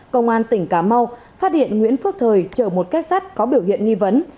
công an tỉnh cà mau phát hiện nguyễn phước thời chở một cách sát có biểu hiện nghi vấn